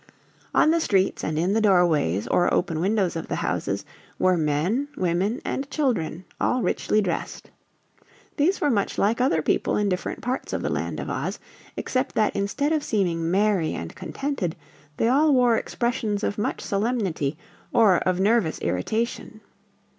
On the streets and in the doorways or open windows of the houses were men, women and children, all richly dressed. These were much like other people in different parts of the Land of Oz, except that instead of seeming merry and contented they all wore expressions of much solemnity or of nervous irritation.